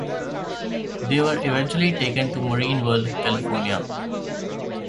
They were eventually taken to Marine World California.